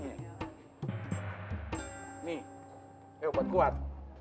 nih obat kuat